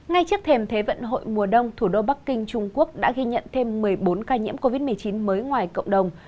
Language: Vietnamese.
ngay trước thềm thế vận hội mùa đông thủ đô bắc kinh trung quốc đã ghi nhận thêm một mươi bốn ca nhiễm covid một mươi chín mới ngoài cộng đồng